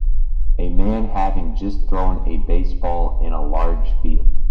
A man having just thrown a baseball in large field.